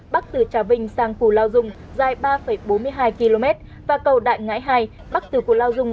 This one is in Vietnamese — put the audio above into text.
bắc từ trà vinh sang củ lao dung dài ba bốn mươi hai km và cầu đại ngãi hai bắc từ củ lao dung